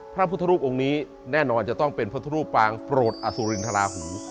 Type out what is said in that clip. พระพุทธรูปองค์นี้แน่นอนจะต้องเป็นพระพุทธรูปปางโปรดอสุรินทราหู